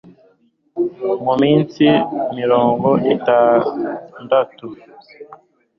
mu minsi mirongo itandatu